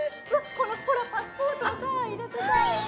このパスポートを入れてさ